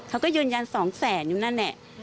เขาก็ยืนยัน๒แสนอยู่นั่นแหละ